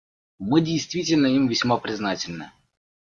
Мы действительно им весьма признательны.